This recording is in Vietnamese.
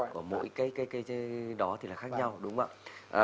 của mỗi cái đó thì là khác nhau đúng không ạ